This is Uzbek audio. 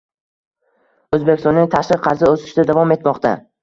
O'zbekistonning tashqi qarzi o'sishda davom etmoqda